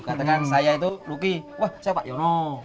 katakan saya itu luki wah saya pak yono